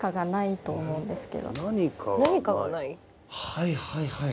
はいはい。